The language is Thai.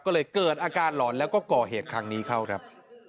ก็เลยเกิดอาการหลอนแล้วก็ก่อเหตุครั้งนี้เข้าครับ